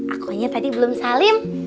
akunya tadi belum salim